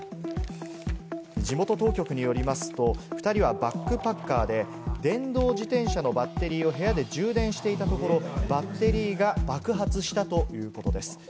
地元当局によりますと、２人はバックパッカーで電動自転車のバッテリーを部屋で充電していたところ、バッテリーが爆発したということです。